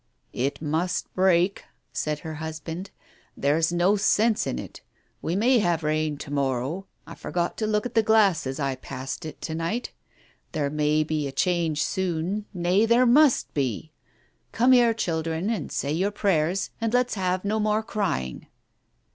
"It must break," said her husband, "there's no sense in it. We may have rain to morrow. I forgot to look at the glass as I passed in to night. There may be a change soon, nay, there must be. ... Come here, children, and say your prayers, and let's have no more crying."